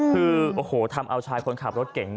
คือโอ้โหทำเอาชายคนขับรถเก่ง